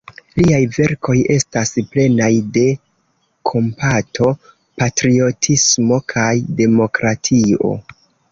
Liaj verkoj estas plenaj de kompato, patriotismo kaj demokratio.